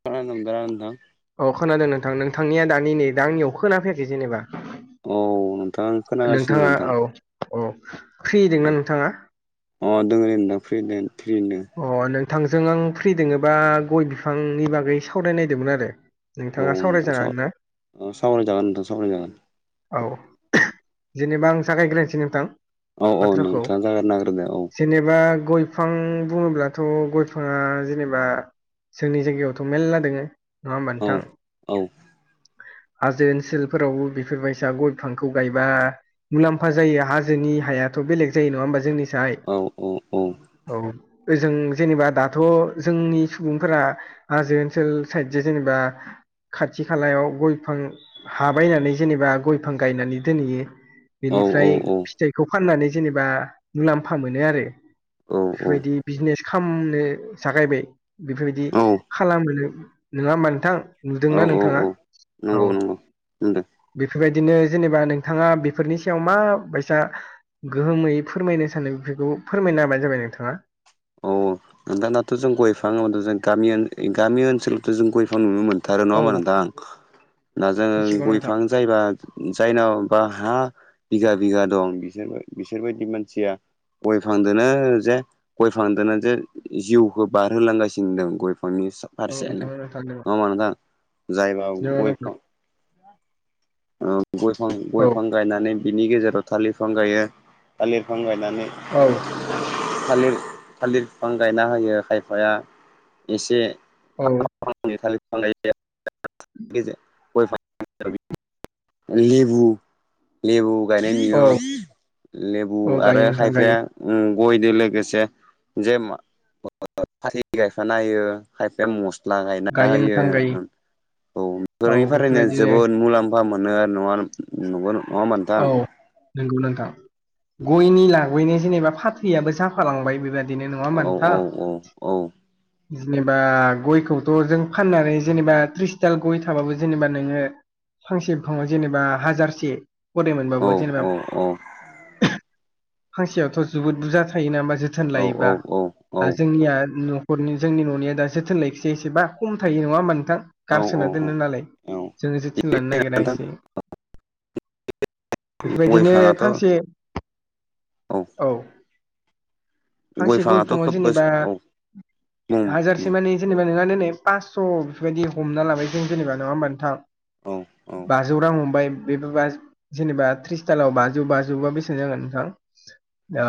[unintelligible] अ खोनादों नोंथां नोंथांनिया दानि नै दा आंनियाव खोना फैयाखै जेनेबा औ नोंथां। खोनागासिनो नोंथाङा नोंथां औ औ फ्रिदोंना नोंथाङा? अ दङ दे नोंथां फ्रि थ्रिनो अ नोंथांजों आं फ्रि दङोबा गय बिफांनि बागै सावरायनायदोंमोन आरो औ नोंथाङा नोंथां स सावरायजागोन ना सावराय जागोन नोंथां सावराय जागोन। औ जेनेबा आं जागायग्रोनोसै नोंथां औ औ बाथ्राखौ नोंथाङानो जागायना होग्रोदो औ जेनेबा गय बिफां बुङोब्लाथ' गयफाङा जेनेबा जोंनि जायगायावथ' मेर्ला दोङो नङा होनबा औ नोंथां? औ हाजो ओनसोलफोरावबो बेफोरबायसा गय बिफांखौ गायबा- मुलाम्फा जायो हाजोनि हायाथ' बेलेग जायो नङा होमबा जोंनिफ्राय- औ औ औ औ ओजों जेनेबा दाथ' जोंनि सुबुंफोरा हाजो ओनसोल साइद जे जेनेबा खाथि खा- खाथि खालायाव गयफां हा बायनानै जेनेबा गयफां गायनानै दोनहैयो- औ औ बेनिफ्राय फिथाइखौ फाननानै जेनेबा मुलाम्फा मोनो आरो बेफोरबायदि बिजनेस खामनो जागायबाय बेफोरबायदि औ खालामोनो नङा होमबा नोंथां? औ नुदोंना औ नोंथाङा? औ औ। नंगौ नंगौ होनदों बेफोरबायदिनो जेनेबा नोंथाङा बेफोरनि सायाव मा बायसा गोहोमै फोरमायनो सानो बेफोरखौ फोरमायनो होबानो जाबाय नोंथाङा अ दानाथ' जों गय बिफाजों ग गामि ओनसोलावथ' जों गय बिफां नुनो मोननो थार औ नङामोंथां दा जों गय मिथिगौ नोंथां बिफां [unintelligible] जायबा जायनाव बा हा बिगा बिघा दं बिसोरबो बिसोरबायदि मानसिया गय फांदोनो जे- गय बिफां जोंनो जे जिउखौ बारहोलांगासिनो दं गयफांनि- औ फारसेयानो जोंङो नोंथां नङा ओमबा नोंथां जायनाव जोंङो गय नोंथां गयफां औ गयफां गायनानै बिनि गेजेराव थालिरफां गायो थालिर बिफां गायनानै औ- थालिर -थालिर बिफां गायना होयो खायफाया एसे- औ [unintelligible] लेबु- लेबु गायनाय औ नुयो लेबु औ आरो गायो नोंथां गायो खायफाया गयदो लोगोसे जे- फाललि गायफा नायो खायफाया मस्थ [unintelligible] लागायना गायो होयो नोंथां गायो औ औ बेफोरनिफारायनो बेफोरबायदिनो जोबोद मुलामफा- मुलामफा मोनो आरो नंडा़ होनबा नं खौ। औ- नंगौ नोंथां। गयनि लागायौनो जेनेबा फाथैयाबो जाफालांबाय बेबायदि दिनो नङा होनबा औ नोंथां? औ औ औ जेनेबा गयखौथ' जों फाननानै जेनेबा थृस्त दाल गय थाबाबो जेनेबा नोङो फांसे बिफाङाव जेनेबा हाजारसे गदाय औ मोनबाबो जेनेबा औ औ फांसेयावथ' जोबोद बुरजा थायो नामा होमबा जोथोन औ लायोबा दा जोंनिया हरनि जोंनि न'निया दा जोथोन लायखसै एसेबा खम थायो नङा होमबा नोंथां? औ औ गारसोना दोनो नालाय औ जोङो जोथिोन लानो नागिरा नोंथां एसे गय बेफोरबायदिनो बिफाङाथ' फांसे औ फांसे गय बिफाङाथ' फिफांङाव खोब जेनेबा बोसोर औ बुं बुं हाजारसे मानि जेनेबा नोंङा दोनै फास्स' बेफोरबायदि हमना लाबाय जों जेनेबा नङा होमबा नोंथां। औ औ बाजौ रां हमबाय बेबो जेनेबा त्रिस तालाव बाजौ बाजौबा बेसेां जागोन नोंथां दा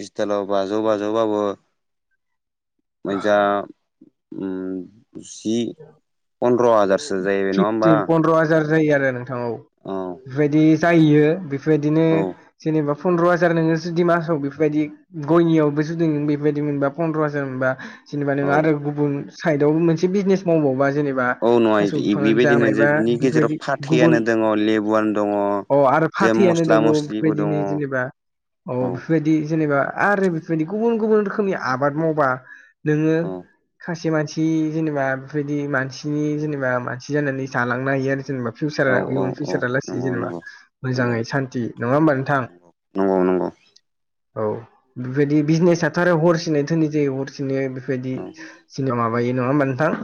बिसटालाव बाजौ बाजौबाबो मोजां। जि पन्द्र' हाजारसो जायो नङा होमबा। फिफटिन पन्द्र' हाजार जायो आरो नोंथाङाव औ बेफोरबायदि जायो बेफोरबायदिनो औ जेनेबा फन्द्र' हाजार नोङो जुदि मासाव बेफोरबायदि गयनियावबोसो जों बेफोरबायदि मोनबा पन्द्र' हाजार मोनबा जेनेबा नों औ आरो गुबुन साइडआवबो मोनसे बिजनेस मावबावबा जेनेबा औ नङा थास' बिफाङानो जा बेबायदिनो जे मायबा बिनि गेजेराव बेफोरबायदि गुबुन फाथैयानो दङ लेबुआनो दङ अ आरो जे फाथैयानो मस्ला दंबावो मस्लिबो दङ बेफोरबायदिनो औ जेनेबा औ बेफोरबायदि बि जेनेबा आरो बेफोरबाय गुब गुब रखनि आबाद मावबा नोङो औ खायसे मानसि जेनेबा बेफोरबायदि मानसिनि जेनेबा मानसि जानानै जालांनो हायो आरो जेनेबा औ फिउचारा औ इयन औ फिउचारा लासै नंगौ जेनेबा नंगौ मोजाङै सान्थि नङा होमबा नोंथां नंगौ नंगौ औ बेबायदि बिजनेसाथ' आरो हरसिनाय धोननि जायो हरसिनाय बेफोरबायदि जनिा माबायो नङा होमबा नोंथां।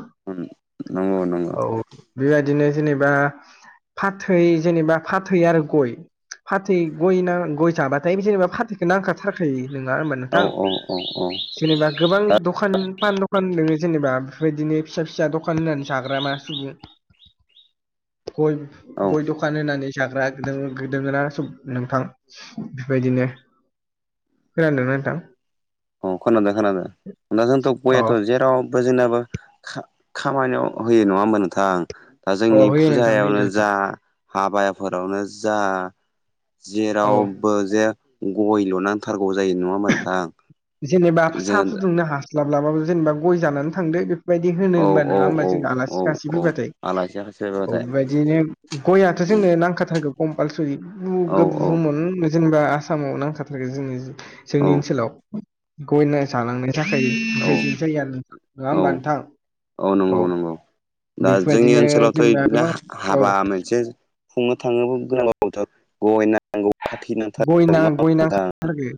नंगौ नंगौ औ बेबायदिनो जेनेबा फाथै जेनेबा फाथै आरो गय फाथै गय गय जाबाथाय जेनेबा फाथैखौ नांखा नङा होनबा औ नोंथां औ औ औ जेनेबा गोबां दा दखान पान दखान दङो जेनेबा बेफोरबायदिनो फिसा फिसा दखान होननानै जाग्रा मा सुबुं गय औ दखान दखान होनानै जाग्रा गोदोङोना सब नोंथां बेबायदिनो खोनादोंना नोंथां अ खोनादों खोनादों जोंथ' अ गयाथ' जेराव बा जोंनाबो खामानियाव होयो नङा होमब नोंथां। दा अ जोंनि होयो नोंथां होयो फुजायावनो नोंथां जा हाबायाफोरावनो जा औ जेराव बो जे गय ल' नांथारगौ जायो नङा होमबा नोंथां जेनेबा साहा जों फुदुंनो हास्लाब्लाबाबो जेनेबा गय जानानै थांद बे बेबायदि होनो औ हबा औ नङा होमबा औ जों औ आलासि खासि औ फैबाथाय आलासि अ फैबाथाय बेबायदिनो गययाथ' जोंनो नांखाथारगो कम्पालसरि औ ब औ जेनेबा आसामाव नांखाथारगै जों औ जोंनि ओनसोलाव गय जानांनाय नि औ थाखायसायो आरो नोंथां नङा औ होमबा नोंथां नंगौ औ नंगौ दा जोंनि बेफोरबायदिनो ओनसोलावथ' जेनेबा बिदिनो गोबां औ हाबा मोनसे संनो थाङोबबो गोनांथ नंगौ थारैनो गयना नांथारगौ गय नोंथां। नांखाथारगो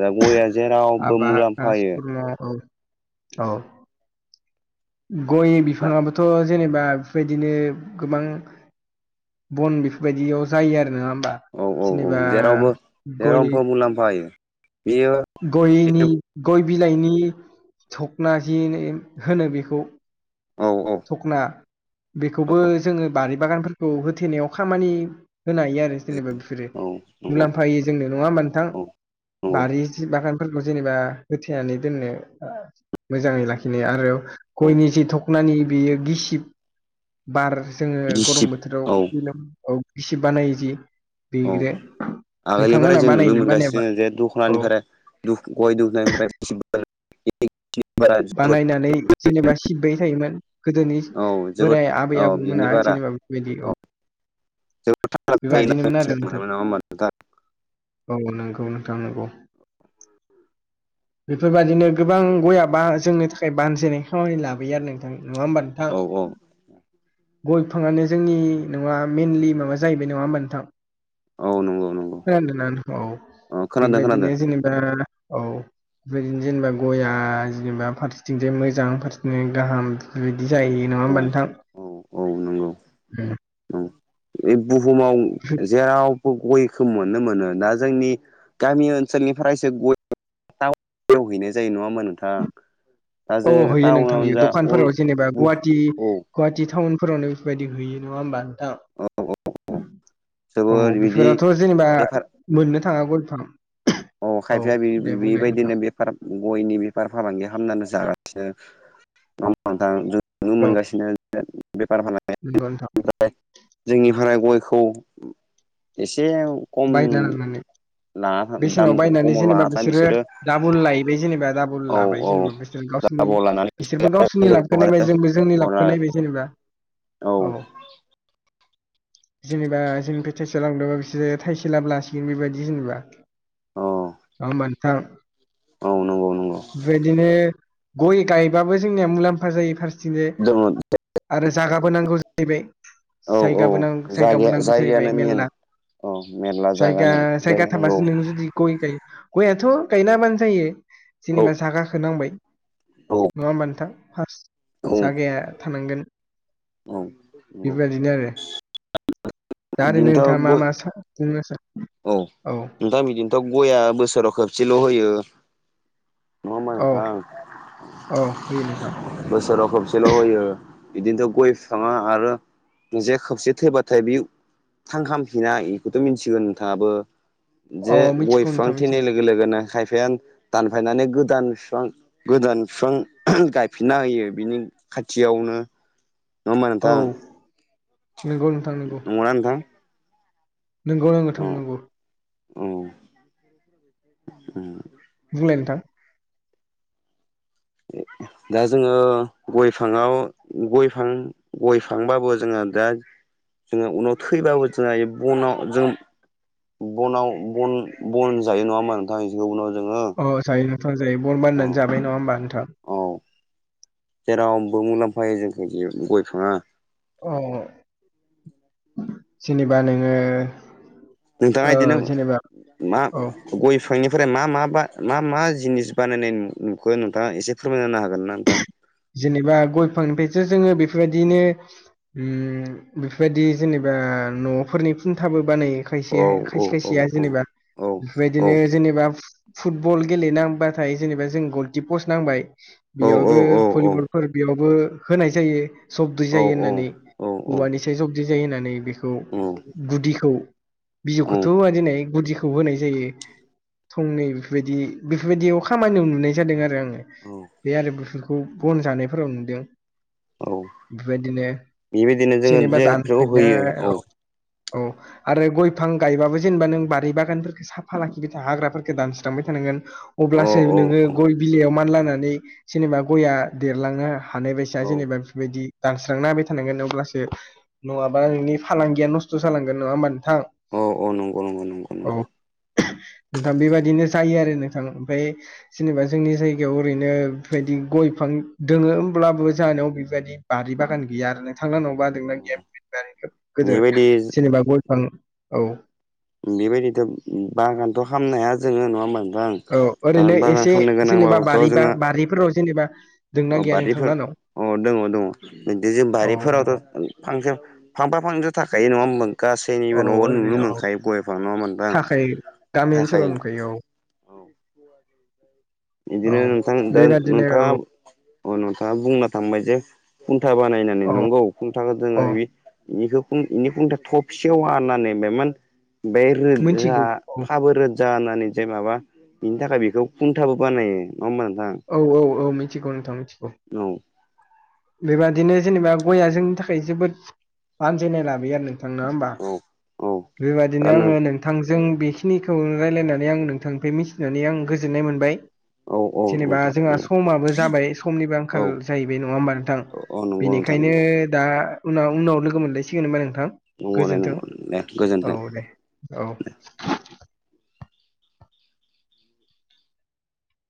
गयआ जेराव माबा औ सुरमह औ। गय दा बिफाङाबोथ' जेनेबा बेफोरबायदिनो गोबां बन बेफोरबायदियाव जायो आरो नङा होमबा। औ औ औ जेनेबा जेरावबो गय जेरावबो मुलाम्फा होायो बेयो गयनि गय बिलाइनि थखनाखि होनो बेखौ औ औ। दखना। बेखौबो जोङो बारि बागानफोरखौ होथेनायाव खामानि होनो हायो आरो। जेनेबा बेफोरो औ नंगौ मुलाम्फा हो जोंनो नङा मोनथां औ नंगौ बारि बागानफोरखौ जेनेबा होथेनानै दोननो। मोजाङै लाखिनाय आरो औ गयनि जि धखनानि बेयो गिसिब बार जोङो गरम गिसिब बोथोराव औ औ खिसिब बानायो जि औ बेग्रो आगोलनिफ्राय नोंथांमोनहा जों बानायो नुनो ना बानायाबा मोनगासिनो जे औ दख'नानिफ्राय ओ गय दुनायनिफ्राय सिमफोल बानायनानै जेनेबा सिबबाय थायोमोन गोदोनि औ जोबोद बोराय आबै औ बिनि आबौमोना जेनेबा बेबायदि औ जों मोन बेबादिनोमोन आरो नङा नोंथां होनबा नोंथां औ नोंगौ नोंथां नोंगौ बेफोरबायदिनो गोबां गया बा जोंनि थाखाय बानजायनाय खामानि लाबोयो आरो नोंथां नङा होमबा नोंथां अ गय बिफाङानो जोंनि नङा मेइनलि माबा जाहैबाय नङा होमबा नोंथां औ नंगौ नंगौ खोनादोंना नोंथा औ औ खोनादों बेबायदिनो खोनादों जेनेबा औ बेबायदिनो जेनेबा गया जेनेबा फारसेथिंजाय मोजां फारसेथिं गाहाम बेबायदि जायो औ औ औ नंगौ ओम औ बे बुहुमाव जेराव गयखौ मोननो मोनो दा जोंनि गामि ओनसोलनिफ्रायसो गय टाउव हैनाय जायो नङा होनबा नोंथां दा औ जोङो हैयो नोंथां टाउनावनो हैयो जा अल दखानफोराव जेनेबा गुवाहाटि औ गुवाहाटि टाउनाव बेफोरबायदि होयो नङा होमबा नोंथां औ औ जोबोद बिदि बेफोराथ' जेनेबा बेफार मोननो थाङा गय बिफां अ' औ खायफाया बि दे बुंलाय नोंथां बेबायदिनो बे पार गयनि बेफार फालांगि खालामनानै जागासिनो दं दा जों नुनो औ मोनगासिनो बेफार फालांगि नंगौ नोंथां ओमफ्राय जोंनि भाराय गयखौ एसे बायदेरनानै ना बेसेनाव बायनानै जेनेबा बिसोरो दाबुल लायैबाय जेनेबा दाबल औ लाबाय औ जेनेबा बिसोर गावसिनि दाबाव लानानै बिसोरबो गावसोरनि लाबखौ नायबाय जोंबो जोंनि हरा लाबखौ नायबाय जेनेबा औ लांदां जेनेबा जोंनिफ्राय थाइसेयाव लांदोंबा बिसोरो थाइसे लाबो लासिगोन बेबायदि जेनेबा अ' ओ होनबा नोंथां औ नंगौ नंगौ बेबायदिनो गय गायबाबो जोंनिया मुलाम्फा जायो फारसेथिंनो दङ आरो जागाबो नांगौ जाहैबाय औ औ जायगाबो नां जायगाया जायगाबो नांगौ जाहैबाय जायगायानो मेन मेलला औ मेरला जागा जायगा नां जायगा थाबासो नांगौ नों जुदि गय गायो गययाथ' गायना होबानो जायो औ जेनेबा जागाखो नांबाय औ नङा होमबा नोंथां फार्स्ट औ जागाया थानांगोन औ नंगौ बेबायदिनो आरो दा ओरै नोंथाङा बिदिनोथ' मा गय मा सा बुंनो सार औ नोंथां बिदिनोथ' गया बोसोराव खेबसेल' होयो नङा होनबा औ नोंथां औ होयो नोंथां बोसोराव खबसेल' होयो बिदिनोथ' गय फिफाङा आरो जे खबसे थैबाथाय बे थांखामफिना बेखौथ' मिथिगोन नोंथाङाबो जे औ गय मिथिगौ बिफां नोंथां थैनाय मिथिगौ लोगो लोगोनो खायफाया दानफायनानै गोदान बिफां गोदान बिफां गायफिनना होयो बिनि खाथियावनो होनबा औ नोंथां नंगौ नोंथां नंगौ ना नोंथां नोंगौ नांगौ औ थांनांगौ औ ओम बुंलाय नोंथां दा जोङो गयफाङाव गयफां गय फांबाबो जोङो दा जोङो उनाव थैब्लााबो जोंहा बनाव जों बनाव बन बन जायो नङामा नोंथां उनाव जोङो अ जायो नोंथां जायो बल बान औ जाबाय नङा होनबा नोंथां। औ जेरावबो मुलाम्फायो जोंख जे गयफाङा अ' जेनेबा नोङो नोंथाङा ओ बिदिनो जेनेबा मा औ गय बिफांनिफ्राय मा मा मा मा जिनिस बानायनाय नुखो नोंथाङा एसे फोरमाय होनो हागोन ना नोंथां। जेनेबा गय फांनिफ्रायसो जोङो बेफोरबायदिनो ओम बेफोरबायदि जेनेबा न'फोरनि खुन्थाबो बानायो खायसे औ औ खायसे औ खायसेया औ जेनेबा औ बेबायदिनो जेनेबा फुटबल गेलेेनांबाथाय जेनेबा जों गलकि पस्ट नांबाय औ औ बेयावबो औ फोर बेयावबो होनाय जायो जबद जायो होननानै औ औवानिस जबदि जायो होननानै बे ओ औ गुदिखौ औ बिजौखौथ' दिनै गुदिखौ खौ होनाय जायो थंनै बेफोरबायदि बेफोरबायदियाव खामानियाव नुनाय जादों आरो आं बे आरो बुथोरखौ बन जानायफोराव नुदों बेबायदिनो बेबायदिनो जोङो जेनेबा जेखौ दानफैनाय होयो औ औ आरो गय फां गायबाबो जेनेबा नों बारि बागानफोरखौ साफा लाखिबाय हाग्राफोरखौ दानस्रांबाय थानांगोन औ अब्लासो नोङो औ गय बिलाइयाव मान लानानै जेनेबा गया देरलाङा हानाय औ बसाया जेनेबा बेफोरबायदि दानस्रांना नायाबाय थानांगोन अब्लासो नङाबा नोंनि फालांगिया नस्थ' जालांगोन नङा होमबा नोंथां। औ औ नंगौ नंगौ नंगौ। औ नंगौ नोंथां बेबायदिनो जायो आरो नोंथां ओमफ्राय जेनेबा जोंनि जायगायाव ओरैनो बेबायदि गय बिफां दङो होमब्लाबो जानायाव बेबायदि बारि बागान गैया आरो नोंथांनबा होमदां गेब नार गेब गिदिर बेबायदि जेनेबा गयफां औ। बेबायदिथ' बागानथ' हामनो हाया जोङो नङा नोंथां। औ दा ओरैनो बागान एसे खालामनो जेनेबा गोनांबाबोथ' बारिबा बारिफोराव जेनेबा दोंना अ गैया नोंथां बारिफोर लाहानाव? अ दङ दङ बि जों औ दं बारिफोरावथ' फांसन फांफा फांनै' थाखायो नङा होनोमबां औ गासैनिबो न'बो नुनो ओरैनो औ मोनखायो गयफां न' मोनब आ थाखायो गामि ओनसोलाव थाखायो नुखायो औ औ बिदिनो नोंथां दा बेबादिनो नोंथाङा औ अ नोंथाङा बुंना थांबाय जे खुन्था बानायनानै औ नंगौ खुंथा औ जोङो बेनिखौ बेनि खुंथा थबसेयाव हनानैबाय मान बे रोजा मिथिगौ औ थाबो रोजा होननानै जे माबा बिनि थाखाय बेखौ थाबो बानायो नङा होमबा नोंथां। औ औ औ मिथिगौ नोंथां मिथिगौ। औ बेबादिनो जेनेबा गयया जोंनि थाखाय जोबोद बानजायनाय लाबोयो आरो [unintelligible] होमबा औ औ बेबायदिनो आङो नों नोंथांजों बेखिनिखौ रायज्लायनानै आं नोंथांनिफ्राय मिथिनानै आं गोजोननाय मोनबाय। औ औ जेनेबा नोंथां जोंहा औ समाबो जाबाय समनिबो आंखाल जाहैबाय नङा होमबा नोंथां। अ नंगौ नोंथा बेनिखायनो नंगौ। दा उनाव उनाव लोगो मोनलायसिगोन नबा नोंथां नंगौ दे गोजोनथों नंगौ दे गोजोन्थों औ दे। औ